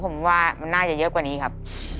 ผมว่ามันน่าจะเยอะกว่านี้ครับ